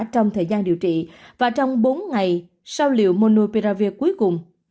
trong thời gian điều trị và trong bốn ngày sau liệu monopia cuối cùng